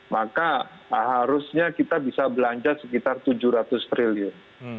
maka harusnya kita bisa belanja sekitar tujuh ratus triliun